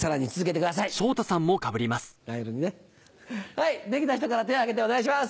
はい出来た人から手を挙げてお願いします。